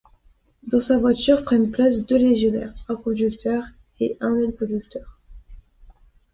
Dans sa voiture prennent place deux légionnaires, un conducteur et un aide-conducteur.